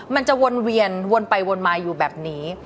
มันจะวนเวียนวนไปวนมาอยู่แบบนี้